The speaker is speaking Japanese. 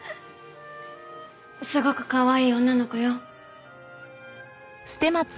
すごくかわいい女の子よ。